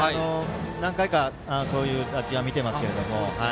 何回か、そういう打球は見ていますけども。